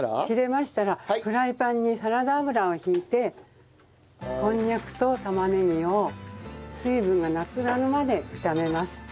切れましたらフライパンにサラダ油を引いてこんにゃくと玉ねぎを水分がなくなるまで炒めます。